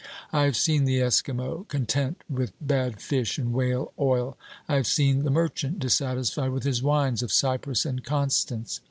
I have seen the Esquimaux content with bad fish and whale oil. I have seen the mer chant dissatisfied with his wines of Cyprus and Constance.